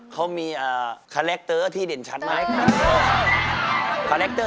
เขามีคาแรคเตอร์ที่เด่นชัดมาก